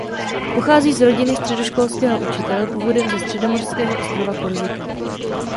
Pochází z rodiny středoškolského učitele původem ze středomořského ostrova Korsika.